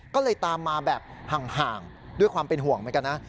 ก็เลยตามมาแบบห่างด้วยความเป็นห่วงเหมือนกันนะ